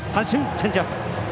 チェンジアップ。